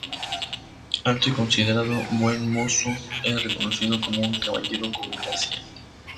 Alto y considerado buen mozo, era reconocido como un caballero con gracia.